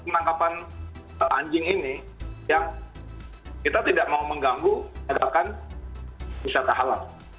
menangkapkan anjing ini yang kita tidak mau mengganggu adalah kan wisata halal